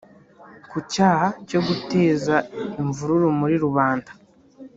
Ku cyaha cyo guteza imvururu muri rubanda